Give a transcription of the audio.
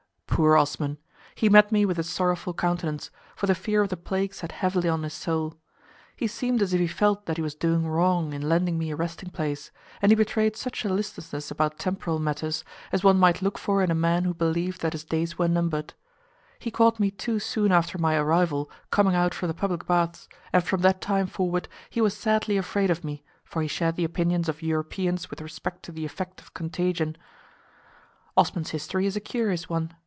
Poor Osman! he met me with a sorrowful countenance, for the fear of the plague sat heavily on his soul. He seemed as if he felt that he was doing wrong in lending me a resting place, and he betrayed such a listlessness about temporal matters, as one might look for in a man who believed that his days were numbered. He caught me too soon after my arrival coming out from the public baths, and from that time forward he was sadly afraid of me, for he shared the opinions of Europeans with respect to the effect of contagion. Osman's history is a curious one.